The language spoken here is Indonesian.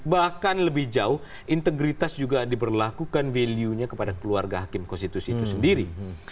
bahkan lebih jauh integritas juga diberlakukan value nya kepada keluarga hakim konstitusi itu sendiri